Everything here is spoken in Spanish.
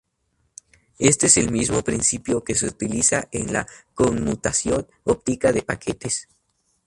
Éste es el mismo principio que se utiliza en la conmutación óptica de paquetes.